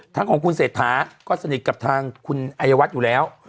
ของคุณเศรษฐาก็สนิทกับทางคุณอายวัฒน์อยู่แล้ว